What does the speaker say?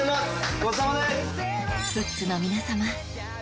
ごちそうさまです！